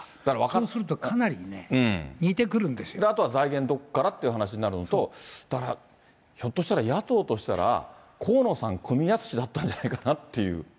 そうするとかなりね、似てくるんあとは財源どこからって話になるのと、だから、ひょっとしたら野党としたら、河野さんくみやすしだったんじゃないかなっていう。